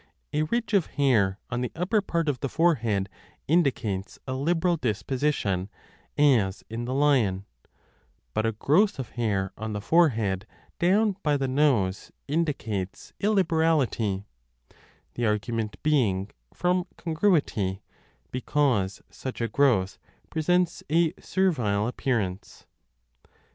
A ridge of hair 5 on the upper part of the forehead indicates a liberal disposition, as in the lion : but a growth of hair on the forehead down by 8i3 a the nose 6 indicates illiberality, the argument being from con gruity, because such a growth presents a servile appearance.